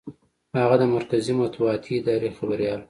هغه د مرکزي مطبوعاتي ادارې خبریال و.